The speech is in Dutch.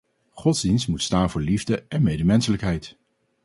Godsdienst moet staan voor liefde en medemenselijkheid.